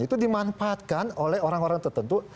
itu dimanfaatkan oleh orang orang tertentu